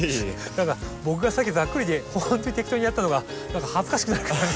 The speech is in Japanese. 何か僕がさっきざっくりでほんとに適当にやったのが何か恥ずかしくなるくらい。